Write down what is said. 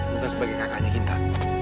bukan sebagai kakaknya kinta